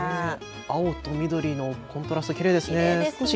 青と緑のコントラストきれいですね。